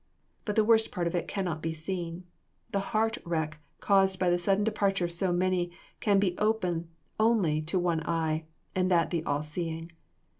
But the worst part of it can not be seen. The heart wreck caused by the sudden departure of so many can be open only to one eye, and that the All Seeing.